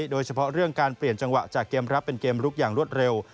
โดยเฉพาะเรื่องการเปลี่ยนจังหวะจากเกมรับเป็นเกมลุกอย่างรวดเร็ว